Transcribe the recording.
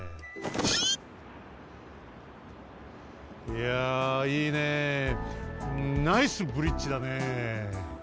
いやいいねえナイスブリッジだねえ。